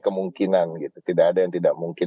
kemungkinan gitu tidak ada yang tidak mungkin